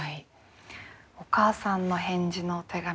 お母さんの返事のお手紙